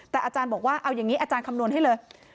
แต่อาจารย์บอกว่าเอาอย่างนี้อาจารย์คำนวณให้เลย